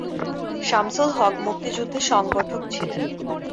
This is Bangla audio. শামসুল হক মুক্তিযুদ্ধের সংগঠক ছিলেন।